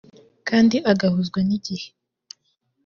kandi agahuzwa n’igihe